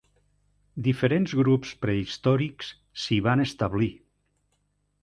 Diferents grups prehistòrics s'hi van establir.